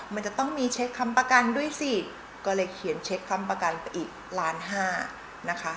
มันจะต้องมีเช็คคำประกันด้วยสิก็เลยเขียนเช็คคำประกันไปอีกล้านห้านะคะ